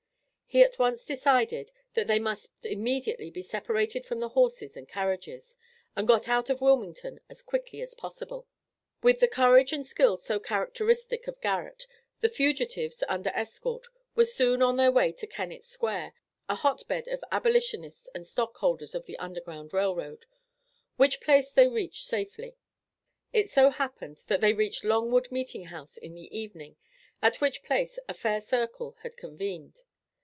He at once decided, that they must immediately be separated from the horses and carriages, and got out of Wilmington as quickly as possible. With the courage and skill, so characteristic of Garrett, the fugitives, under escort, were soon on their way to Kennett Square (a hot bed of abolitionists and stock holders of the Underground Rail Road), which place they reached safely. It so happened, that they reached Long Wood meeting house in the evening, at which place a fair circle had convened.